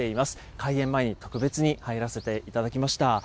開園前に特別に入らせていただきました。